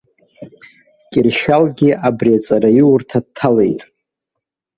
Кьыршьалгьы абри аҵараиурҭа дҭалеит.